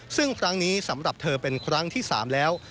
ซึ่งครั้งนี้สำหรับเธอเป็นครั้งที่๓แล้ว